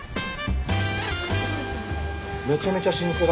めちゃめちゃ老舗だ。